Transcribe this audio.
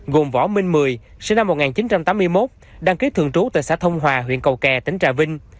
gồm võ minh mười sinh năm một nghìn chín trăm tám mươi một đăng ký thường trú tại xã thông hòa huyện cầu kè tỉnh trà vinh